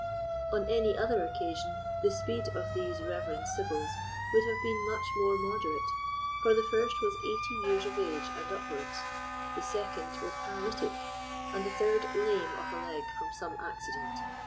On any other occasion the speed of these reverend sibyls would have been much more moderate, for the first was eighty years of age and upwards, the second was paralytic, and the third lame of a leg from some accident.